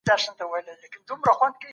دوی د جنسي فعالیت کنټرول هم کوي.